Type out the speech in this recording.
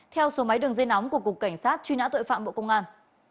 theo số máy đường dây nóng của cục cảnh sát truy nã tội phạm bộ công an